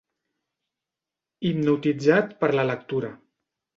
Hipnotitzat per la lectura.